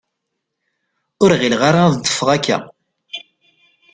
Ur ɣileɣ ara ad d-teffeɣ akka.